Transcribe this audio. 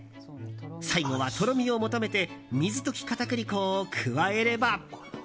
最後は、とろみを求めて水溶き片栗粉を加えれば。